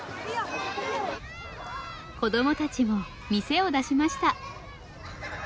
子どもたちも店を出しました。